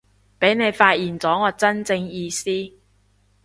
畀你發現咗我真正意思